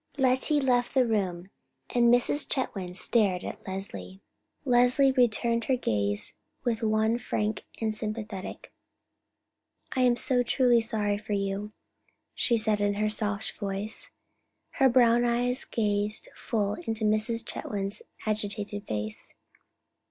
Lettie left the room, and Mrs. Chetwynd stared at Leslie. Leslie returned her gaze with one frank and sympathetic. "I am so truly sorry for you," she said in her soft voice. Her brown eyes gazed full into Mrs. Chetwynd's agitated face.